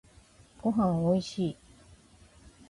ごはんおいしい。